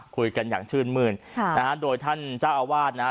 คุยกันอย่างชื่นมืนค่ะนะฮะโดยท่านเจ้าอาวาสนะฮะ